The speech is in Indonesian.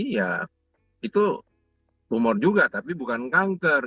ya itu tumor juga tapi bukan kanker